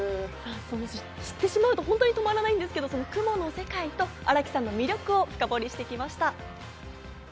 知ってしまうと止まらないですけれど雲の世界と荒木さんの魅力を深堀してきました。